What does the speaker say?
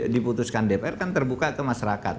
diputuskan dpr kan terbuka ke masyarakat